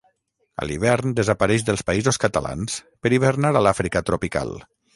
A l'hivern desapareix dels Països Catalans per hivernar a l'Àfrica tropical.